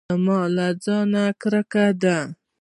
زما له ځانه کرکه ده .